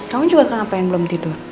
kamu juga ngapain belum tidur